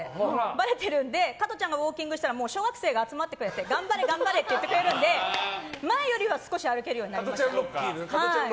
ばれてるので加トちゃんがウォーキングしたら小学生が集まってくれて頑張れ頑張れって言ってくれるので前よりは少し歩けるようになりました。